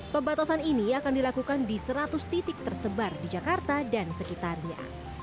pembatasan ini akan dilakukan di seratus titik tersebar di jakarta dan sekitarnya